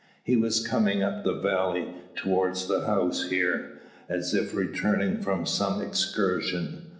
He was coming up the valley, toward the house here, as if returning from some excursion.